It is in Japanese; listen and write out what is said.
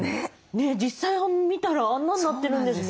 実際見たらあんなんなってるんですね。